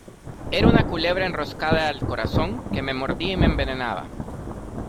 era una culebra enroscada al corazón, que me mordía y me envenenaba.